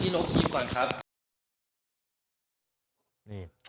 ลบคลิปก่อนครับ